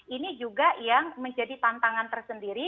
ini juga yang menjadi tantangan tersendiri